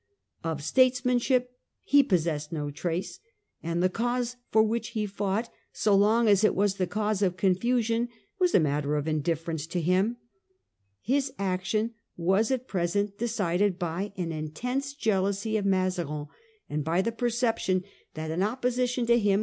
Of statesmanship he possessed no trace ; and the cause for which he fought, so long as it was the cause of confusion, was a matter of indifference to him. His action was at present decided by an intense jealousy of Mazarin, and by the perception that in opposition to him 3 6 The Parliamentary Fronde . 1648.